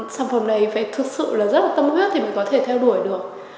sản phẩm này phải thực sự rất là tâm huyết thì mình có thể theo đuổi được